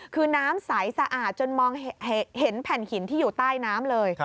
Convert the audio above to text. คือน้ำใสสะอาดจนมองเห็นแผ่นหินที่อยู่ใต้น้ำเลย